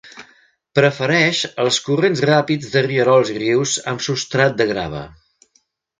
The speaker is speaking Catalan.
Prefereix els corrents ràpids dels rierols i rius amb substrat de grava.